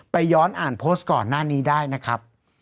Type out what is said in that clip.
ย้อนอ่านโพสต์ก่อนหน้านี้ได้นะครับ